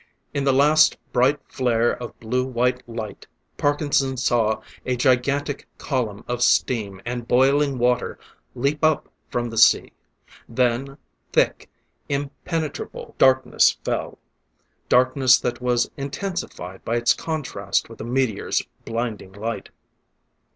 In the last, bright flare of blue white light, Parkinson saw a gigantic column of steam and boiling water leap up from the sea. Then thick, impenetrable darkness fell darkness that was intensified by its contrast with the meteor's blinding light.